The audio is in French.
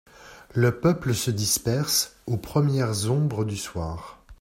Le peuple se disperse aux premières ombres du soir.